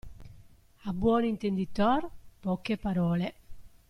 A buon intenditor, poche parole.